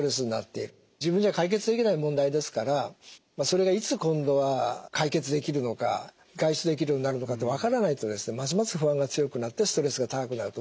自分じゃ解決できない問題ですからそれがいつ今度は解決できるのか外出できるようになるのかっていうのが分からないとですねますます不安が強くなってストレスが高くなると思いますね。